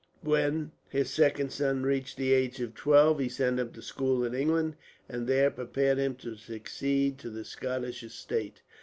When his second son reached the age of twelve, he sent him to school in England, and there prepared him to succeed to the Scottish estate.